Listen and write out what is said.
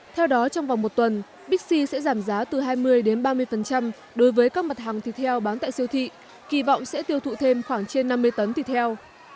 theo đó trong vòng một tuần bixi sẽ giảm giá từ hai mươi đến ba mươi đối với các mặt hàng thịt heo bán tại siêu thị kỳ vọng sẽ tiêu thụ thêm khoảng trên năm mươi tấn thịt heo